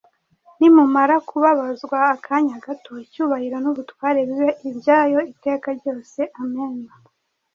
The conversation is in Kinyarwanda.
nimumara kubabazwa akanya gato. icyubahiro n’ubutware bibe ibyayo iteka ryose. amen!